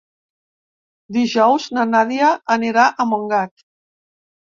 Dijous na Nàdia anirà a Montgat.